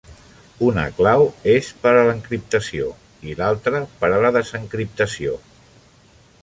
Una clau es per a l'encriptació i l'altra per a la desencriptació.